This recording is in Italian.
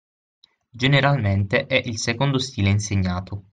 Generalmente è il secondo stile insegnato.